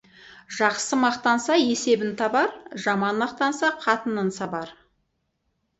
Жақсы мақтанса, есебін табар, жаман мақтанса, қатынын сабар.